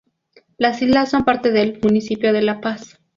Las islas son parte del municipio de La Paz.